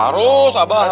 harus abah harus